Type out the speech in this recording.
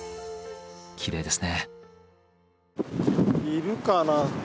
きれいですね。